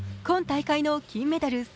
今大会の金メダル